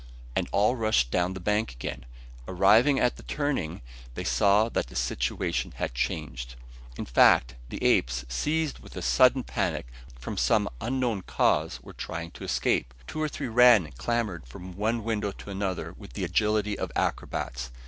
And all rushed down the bank again. Arrived at the turning, they saw that the situation had changed. In fact, the apes, seized with a sudden panic, from some unknown cause, were trying to escape. Two or three ran and clambered from one window to another with the agility of acrobats.